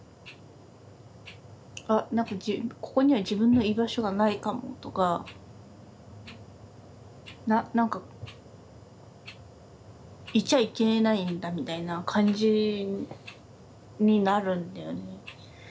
あ何かここには自分の居場所がないかもとか何かいちゃいけないんだみたいな感じになるんだよね。